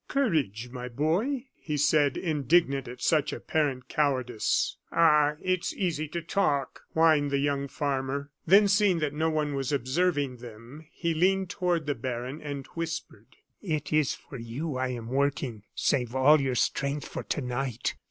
"Courage, my boy," he said, indignant at such apparent cowardice. "Ah! it is easy to talk," whined the young farmer. Then seeing that no one was observing them, he leaned toward the baron, and whispered: "It is for you I am working. Save all your strength for to night."